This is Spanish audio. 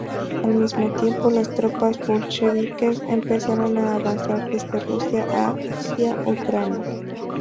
Al mismo tiempo, las tropas bolcheviques empezaron a avanzar desde Rusia hacia Ucrania.